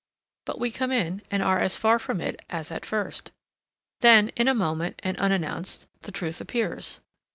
But we come in, and are as far from it as at first. Then, in a moment, and unannounced, the truth appears.